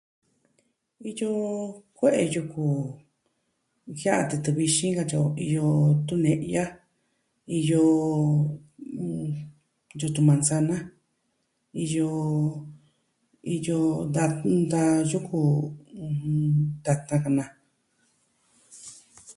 Iyo kue'e yuku jiaa titɨ vixin, katyi o. Iyo tune'ya, iyo yutun mansana, iyo, iyo da, da yuku tatan na.